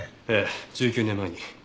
ええ１９年前に。